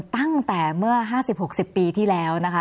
ตั้งแต่เมื่อ๕๐๖๐ปีที่แล้วนะคะ